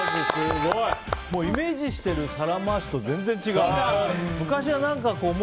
イメージしている皿回しと全然違う。